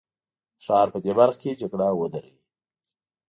د ښار په دې برخه کې جګړه ودروي.